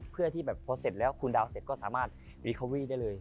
เพื่อที่แบบพอเสร็จแล้วคุณดาวเสร็จก็สามารถบีคาวีได้เลย